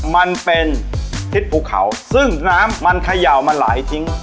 มันเป็นทิศภูเขาซึ่งน้ำมันเขย่ามาหลายทิ้ง